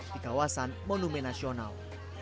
di kawasan monumen nasional